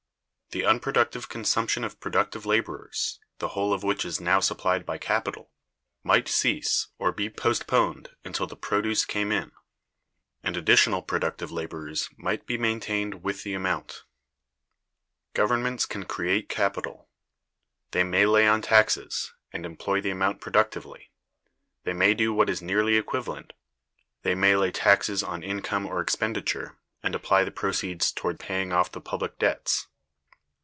The unproductive consumption of productive laborers, the whole of which is now supplied by capital, might cease, or be postponed, until the produce came in; and additional productive laborers might be maintained with the amount. [Governments] can create capital. They may lay on taxes, and employ the amount productively. They may do what is nearly equivalent: they may lay taxes on income or expenditure, and apply the proceeds toward paying off the public debts.